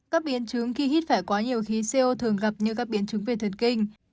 các biến chứng khi hít phải quá nhiều khí co thường gặp như các biến chứng về thần kinh